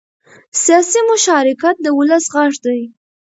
سیاسي مشارکت د ولس غږ دی